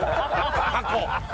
過去。